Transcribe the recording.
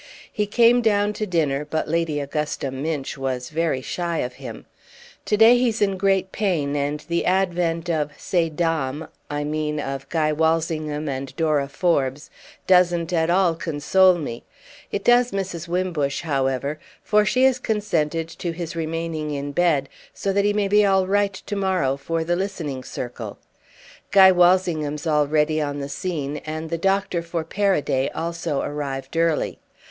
He came down to dinner, but Lady Augusta Minch was very shy of him. To day he's in great pain, and the advent of ces dames—I mean of Guy Walsingham and Dora Forbes—doesn't at all console me. It does Mrs. Wimbush, however, for she has consented to his remaining in bed so that he may be all right to morrow for the listening circle. Guy Walsingham's already on the scene, and the Doctor for Paraday also arrived early.